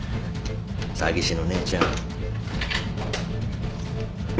詐欺師の姉ちゃん。